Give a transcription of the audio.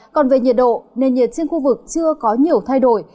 còn về nhiệt độ nền nhiệt trên khu vực chưa có nhiều thay đổi